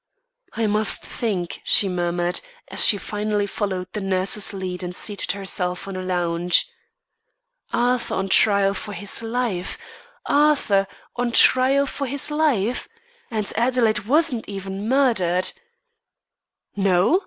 "I must think," she murmured, as she finally followed the nurse's lead and seated herself on a lounge. "Arthur on trial for his life! Arthur on trial for his life! And Adelaide was not even murdered!" "No?"